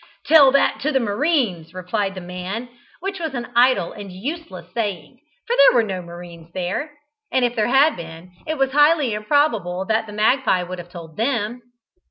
"Tell that to the marines!" replied the man, which was an idle and useless saying, for there were no marines there; and if there had been, it was highly improbable that the magpie would have told them.